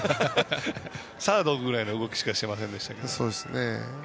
サードぐらいの動きしかしてませんでしたけど。